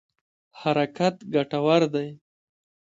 حرکت ګټور دی.